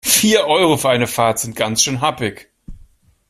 Vier Euro für eine Fahrt sind ganz schön happig.